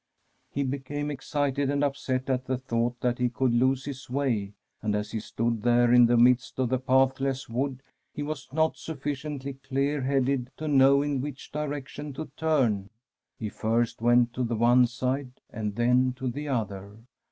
He became excited and upset at the thought that he coidd lose his way, and as he stood there in the midst of the pathless wood he was not suffi ciently clear headed to know in which direction to turn. He first went to the one side and then to the other.